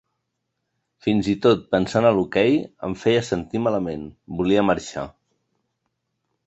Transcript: Fins-i-tot pensar en el hoquei em feia sentir malament, volia marxar.